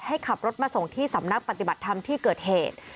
ให้ขับรถมาส่งที่สำนักปฏิบัติธรรมที่เกิดเหตุ